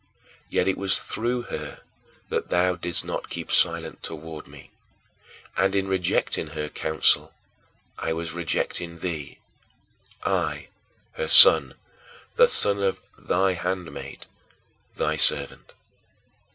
Yet it was through her that thou didst not keep silence toward me; and in rejecting her counsel I was rejecting thee I, her son, "the son of thy handmaid, thy servant."